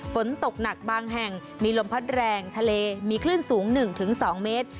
ฝนตกหนักบางแห่งมีลมพัดแรงทะเลมีคลื่นสูง๑๒เมตร